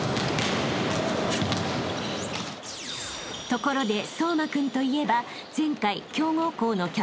［ところで颯真君といえば前回］